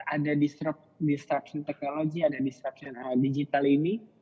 ada disruption technology ada disruption digital ini